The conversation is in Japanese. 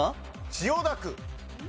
千代田区。